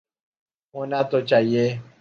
ہونا تو چاہیے۔